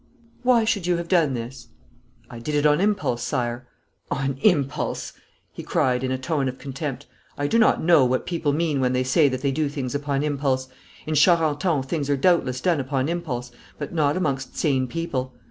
'Why should you have done this?' 'I did it on impulse, Sire.' 'On impulse!' he cried, in a tone of contempt. 'I do not know what people mean when they say that they do things upon impulse. In Charenton things are doubtless done upon impulse, but not amongst sane people.